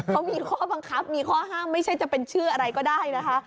เขามีข้อบังคับมีข้อห้ามไม่ใช่จะเป็นชื่ออะไรก็ได้นะคะ